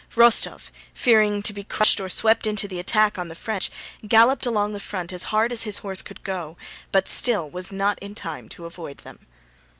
Rostóv, fearing to be crushed or swept into the attack on the French, galloped along the front as hard as his horse could go, but still was not in time to avoid them.